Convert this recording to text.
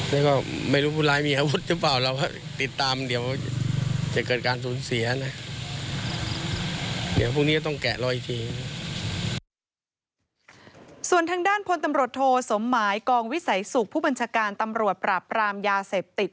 ส่วนทางด้านพลตำรวจโทสมหมายกองวิสัยสุขผู้บัญชาการตำรวจปราบปรามยาเสพติด